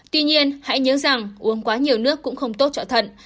tuy nhiên hãy nhớ rằng uống quá nhiều nước cũng không tốt cho thận